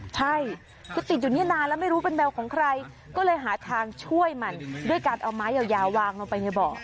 ใช่คือติดอยู่นี่นานแล้วไม่รู้เป็นแมวของใครก็เลยหาทางช่วยมันด้วยการเอาไม้ยาววางลงไปในบ่อ